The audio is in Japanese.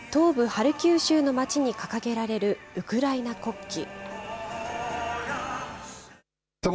ハルキウ州の街に掲げられるウクライナ国旗。